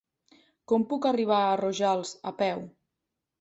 Com puc arribar a Rojals a peu?